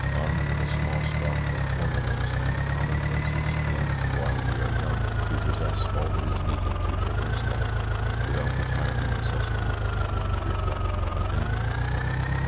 Armed with a small stock of formulas and commonplaces learnt while we are young, we possess all that is needed to traverse life without the tiring necessity of having to reflect on anything whatever.